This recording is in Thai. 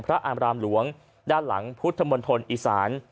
อามรามหลวงด้านหลังพุทธมณฑลอีสาน